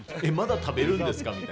え、まだ食べるんですか？